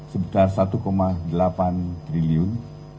sebentar satu delapan triliun